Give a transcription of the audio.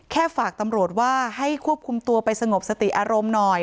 ฝากตำรวจว่าให้ควบคุมตัวไปสงบสติอารมณ์หน่อย